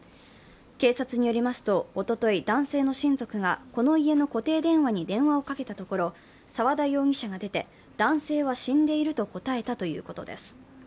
警察によりますと、おととい、男性の親族がこの家の固定電話に電話をかけたところ、沢田容疑者が出て、男性は死んでいると答えたということです。